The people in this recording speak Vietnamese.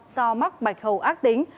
do mắc bạch hầu ác tính